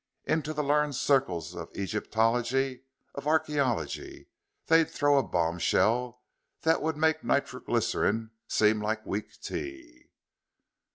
Into the learned circles of Egyptology, of archaeology, they'd throw a bomb shell that would make nitroglycerine seem like weak tea.